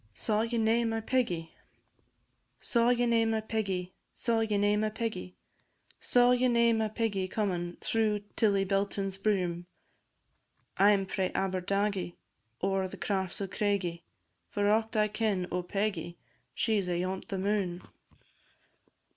SAW YE NAE MY PEGGY? Saw ye nae my Peggy? Saw ye nae my Peggy? Saw ye nae my Peggy comin' Through Tillibelton's broom? I 'm frae Aberdagie, Ower the crafts o' Craigie, For aught I ken o' Peggie, She 's ayont the moon.